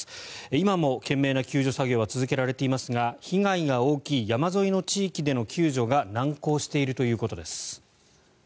今も懸命な救助作業は続けられていますが被害が大きい山沿いの地域での救助が難航しているということです。